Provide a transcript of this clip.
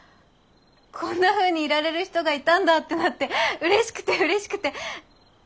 「こんなふうにいられる人がいたんだ」ってなって嬉しくて嬉しくて。